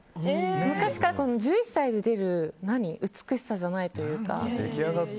昔から、１１歳で出る美しさじゃないというか。